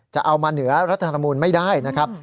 จะเอามาเหนือรัฐธรรมนูลไม่ได้นะครับ